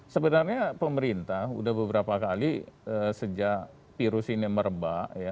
sebenarnya pemerintah sudah beberapa kali sejak virus ini merebak